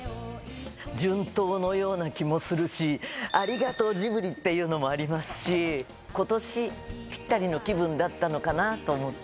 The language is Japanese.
順当のような気もするし、ありがとう、ジブリっていうのもありますし、ことしぴったりの気分だったのかなと思って。